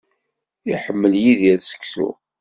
Iḥemmel Yidir seksu.